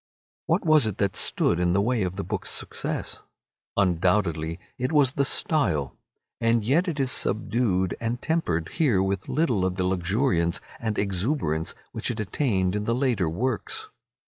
What was it that stood in the way of the book's success? Undoubtedly it was the style. And yet it is subdued and tempered here with little of the luxuriance and exuberance which it attained in the later works.